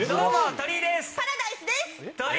鳥居パラダイスです。